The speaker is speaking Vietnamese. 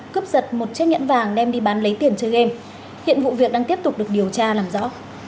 cướp giật một chiếc nhẫn vàng đem đi bán lấy tiền chơi game hiện vụ việc đang tiếp tục được điều tra làm rõ